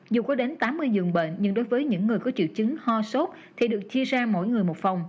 dù có đến tám mươi giường bệnh nhưng đối với những người có triệu chứng ho sốt thì được chia ra mỗi người một phòng